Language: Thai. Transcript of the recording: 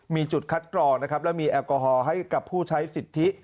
มีจุดคัดกรองนะครับและมีแอลกอฮอล์ให้กับผู้ใช้สิทธิ